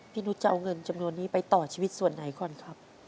พี่นุฏจะเอาเงินจำนวนนี้ไปต่อชีวิตส่วนไหนครับ